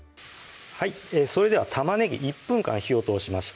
それでは玉ねぎ１分間火を通しました